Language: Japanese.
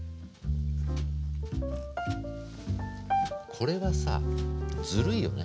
これはさずるいよね。